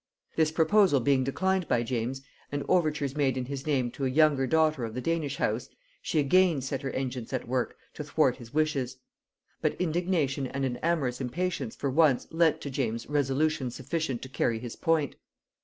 This proposal being declined by James, and overtures made in his name to a younger daughter of the Danish house, she again set her engines at work to thwart his wishes: but indignation and an amorous impatience for once lent to James resolution sufficient to carry his point.